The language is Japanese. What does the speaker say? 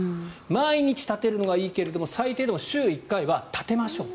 毎日立てるのがいいけれど最低でも週１回は立てましょう。